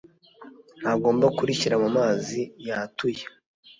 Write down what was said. ntagomba kurishyira mu mazi yatuye